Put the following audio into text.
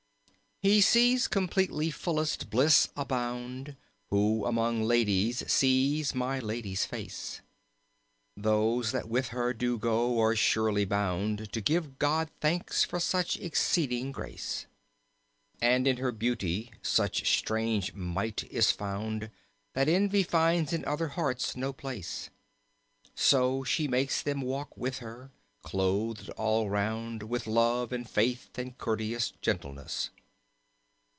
He sees completely fullest bliss abound Who among ladies sees my Lady's face; Those that with her do go are surely bound To give God thanks for such exceeding grace. And in her beauty such strange might is found. That envy finds in other hearts no place; So she makes them walk with her, clothed all round With love and faith and courteous gentleness.